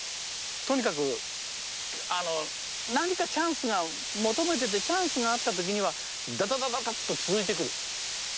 とにかく何かチャンスが求めててチャンスがあった時にはダダダダダッと続いてくるうん。